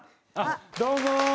どうも！